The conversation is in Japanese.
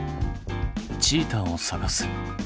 チーターを探す。